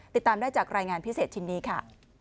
ติดตามได้จากรายงานพิเศษชิ้นนี้ค่ะ